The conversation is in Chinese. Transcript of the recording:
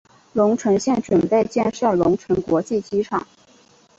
隆城县准备建设隆城国际机场。